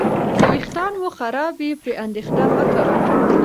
که ویښتان مو خراب وي، پرې اندېښنه مه کوه.